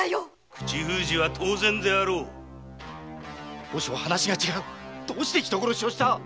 口封じは当然であろう和尚話が違うどうして人殺しをした